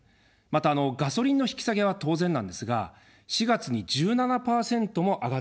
また、ガソリンの引き下げは当然なんですが、４月に１７％も上がってしまった小麦価格。